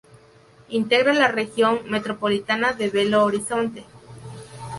Integra la Región Metropolitana de Belo Horizonte.